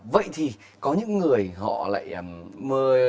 vậy thì có những người họ lại mơ